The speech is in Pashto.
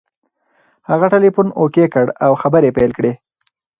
هغه ټلیفون اوکې کړ او خبرې یې پیل کړې.